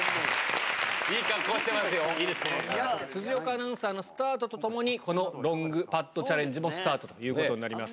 辻岡アナウンサーのスタートとともに、このロングパットチャレンジもスタートということになります。